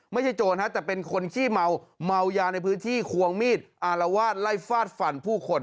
โจรแต่เป็นคนขี้เมาเมายาในพื้นที่ควงมีดอารวาสไล่ฟาดฟันผู้คน